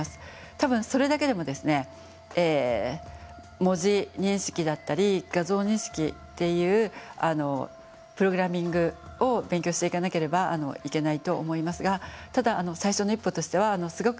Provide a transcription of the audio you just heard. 多分それだけでもですね文字認識だったり画像認識っていうプログラミングを勉強していかなければいけないと思いますがただ最初の一歩としてはすごくいいと思います。